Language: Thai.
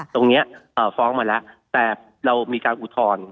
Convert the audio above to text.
ตรงนี้ฟ้องมาแล้วแต่เรามีการอุทธรณ์